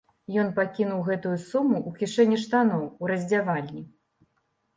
Ён пакінуў гэтую суму ў кішэні штаноў у раздзявальні.